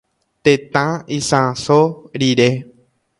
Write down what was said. Tetã isãso rire.